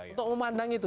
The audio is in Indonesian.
untuk memandang itu